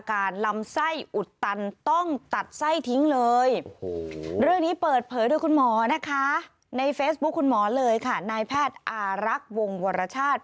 คุณหมอนะคะในเฟซบุ๊คคุณหมอเลยค่ะนายแพทย์อารักษ์วงวรชาติ